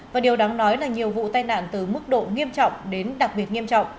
và điều đáng nói là nhiều vụ tai nạn từ mức độ nghiêm trọng đến đặc biệt nghiêm trọng